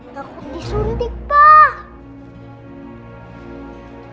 takut disuntik pak